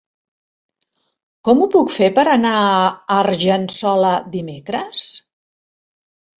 Com ho puc fer per anar a Argençola dimecres?